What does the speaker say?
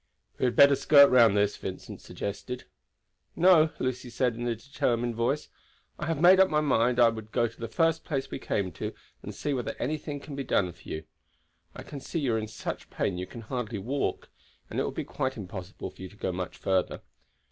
"We had better skirt round this," Vincent suggested. "No," Lucy said in a determined voice. "I have made up my mind I would go to the first place we came to and see whether anything can be done for you. I can see you are in such pain you can hardly walk, and it will be quite impossible for you to go much further.